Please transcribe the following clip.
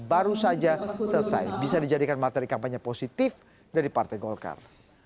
baru saja selesai bisa dijadikan materi kampanye positif dari partai golkar